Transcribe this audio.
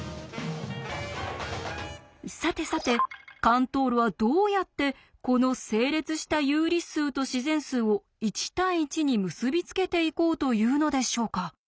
さてさてカントールはどうやってこの整列した有理数と自然数を１対１に結び付けていこうというのでしょうか。